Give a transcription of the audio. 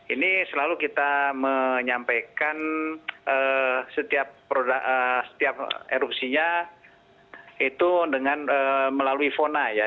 ini selalu kita menyampaikan setiap erupsinya itu dengan melalui fona ya